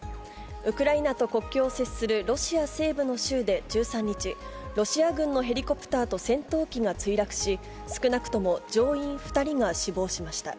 ウクライナと国境を接するロシア西部の州で１３日、ロシア軍のヘリコプターと戦闘機が墜落し、少なくとも乗員２人が死亡しました。